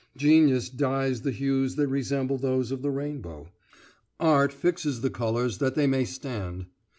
Genius dyes the hues that resemble those of the rainbow; Art fixes the colours that they may stand.